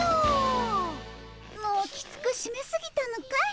もうきつくしめすぎたのかい？